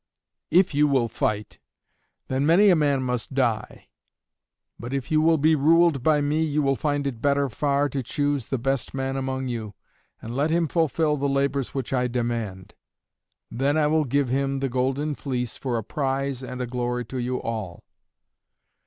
"If you will fight, then many a man must die. But if you will be ruled by me you will find it better far to choose the best man among you, and let him fulfil the labors which I demand. Then I will give him the Golden Fleece for a prize and a glory to you all."